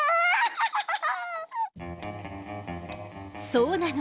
そうなの。